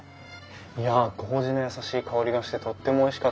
いや麹の優しい香りがしてとってもおいしかったです。